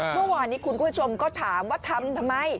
เมื่อวานนี้คุณผู้ชมก็ถามว่าทำทำไม